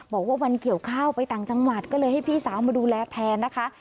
บอกว่าวันเกี่ยวข้าวไปต่างจังหวัดก็เลยให้พี่สาวมาดูแลแทนนะคะ